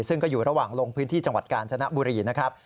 ซึ่งก็อยู่ระหว่างลงพื้นที่จังหวัดกาญจนบุรีนะครับ